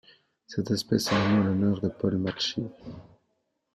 Cette espèce est nommée en l'honneur de Paul Matschie.